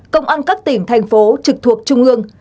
công an các tỉnh thành phố trực thuộc trung ương